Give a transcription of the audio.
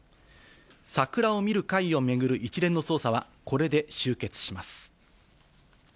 桜を見る会を巡る一連の捜査は、これで終結します。